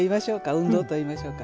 運動といいましょうか。